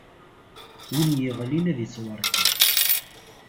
Win iɣlin ad ittwarkeḍ.